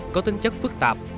có tính chất phức tạp